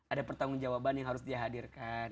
ada pertanggung jawaban yang harus dihadirkan